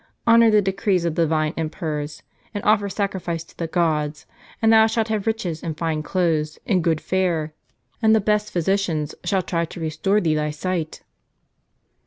Honor the decrees of the divine emperors, and oifer sacrifice to the gods; and thou shalt have riches, and fine clothes, and good fare; and the best physicians shall try to restore thee thy sight."